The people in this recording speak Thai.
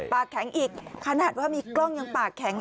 ปากแข็งอีกขนาดว่ามีกล้องยังปากแข็ง